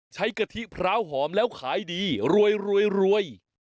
ใช้กะทิพร้าวหอมแล้วขายดีรวยรวยรวย